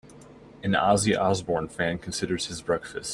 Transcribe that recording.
An Ozzy Osbourne fan considers his breakfast.